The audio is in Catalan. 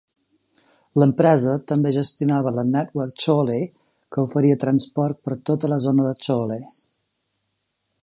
L'empresa també gestionava la Network Chorley, que oferia transport per tota la zona de Chorley.